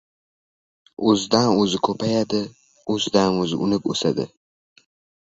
O‘zidan-o‘zi ko‘payadi, o‘zidan-o‘zi unib-o‘sadi.